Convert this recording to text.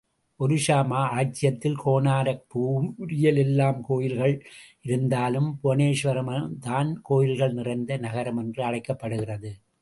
ஒரிஸ்ஸா ராஜ்ஜியத்தில், கோனாரக் பூரியில் எல்லாம் கோயில்கள் இருந்தாலும் புவனேஸ்வரம் தான் கோயில்கள் நிறைந்த நகரம் என்று அழைக்கப்படுகிறது.